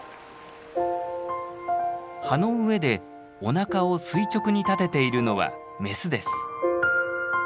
葉の上でおなかを垂直に立てているのはメスです。